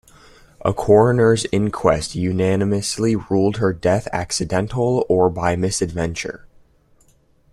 A coroner's inquest unanimously ruled her death accidental or by misadventure.